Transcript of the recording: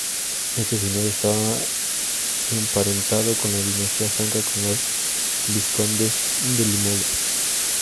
Este señor estaba emparentado con la dinastía franca de los vizcondes de Limoges.